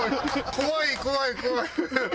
怖い怖い怖い。